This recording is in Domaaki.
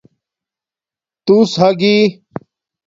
تُݸس ھاگی